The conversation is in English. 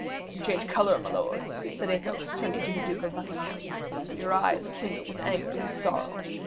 You change color, my lord," said Athos, turning to the Duke of Buckingham, "and your eyes kindle with anger and sorrow.